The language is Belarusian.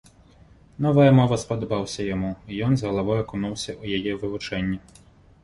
Новая мова спадабаўся яму, і ён з галавой акунуўся ў яе вывучэнне.